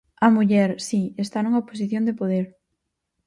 A muller, si, está nunha posición de poder.